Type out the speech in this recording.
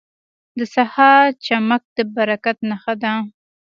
• د سهار چمک د برکت نښه ده.